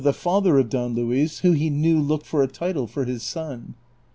the father of Don Luis, who he knew looked for a title for his son.